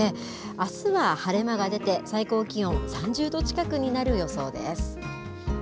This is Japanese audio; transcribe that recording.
あすは晴れ間が出て、最高気温３０度近くになる予想です。